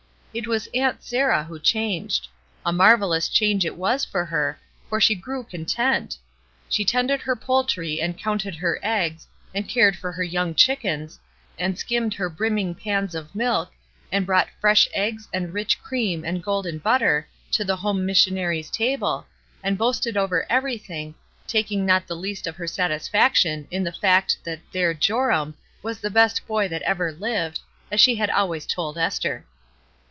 It was Aunt Sarah who changed; n marvellous change it was for her, for she grew content. She tended her poultry and counted her eggs and cared for her young chickens, and skimmed her brimming pans of milk, and brought fresh eggs and rich cream and golden SURPRISES 325 butter for the home missionaries' table, and boasted over everything, taking not the least of her satisfaction in the fact that *' their Joram'^ was the best boy that ever lived, as she had always told Esther.